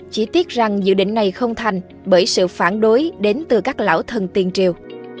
chỉ tiếc rằng dự định này không thành bởi sự phản đối đến từ các lão thần tiền triều